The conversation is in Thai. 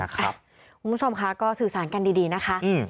คุณผู้ชมค่ะก็สื่อสารกันดีนะคะ